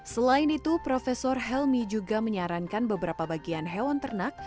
selain itu prof helmi juga menyarankan beberapa bagian hewan ternak